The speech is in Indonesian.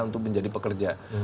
untuk menjadi pekerja